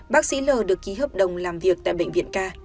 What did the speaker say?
bác sĩ l được ký hợp đồng làm việc tại bệnh viện ca